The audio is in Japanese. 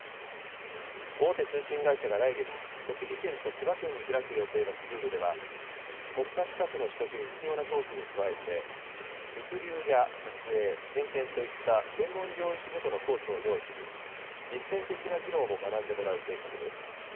大手通信会社が来月、栃木県と千葉県に開く予定のスクールでは、国家資格の取得に必要なコースに加えて、物流や撮影、点検といった専門領域ごとのコースを用意し、実践的な技能も学んでもらう計画です。